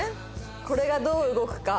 これがどう動くか。